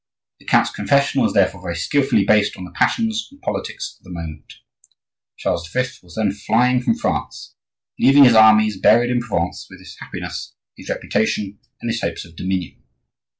The count's confession was therefore very skilfully based on the passions and politics of the moment; Charles V. was then flying from France, leaving his armies buried in Provence with his happiness, his reputation, and his hopes of dominion.